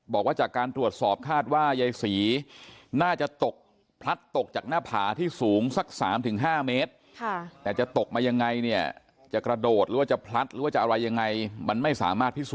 บอกว่าจากการตรวจสอบคาดว่ายายศรี